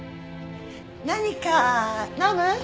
何か飲む？